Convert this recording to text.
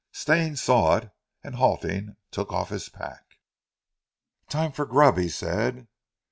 Stane saw it, and halting, took off his pack. "Time for grub," he said.